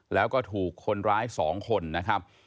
แล้วก็ถูกคนร้าย๒คนนะครับ